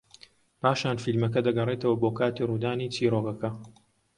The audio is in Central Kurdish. پاشان فیلمەکە دەگەڕێتەوە بۆ کاتی ڕوودانی چیرۆکەکە